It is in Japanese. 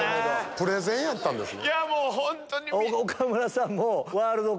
プレゼンやったんですね。